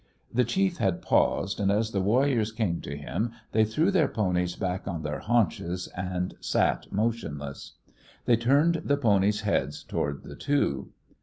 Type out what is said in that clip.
The chief had paused, and, as the warriors came to him, they threw their ponies back on their haunches, and sat motionless. They turned, the ponies' heads toward the two.